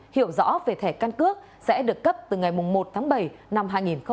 hiểu rõ về thẻ căn cước sẽ được cấp từ ngày một tháng bảy năm hai nghìn hai mươi